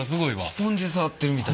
スポンジ触ってるみたい。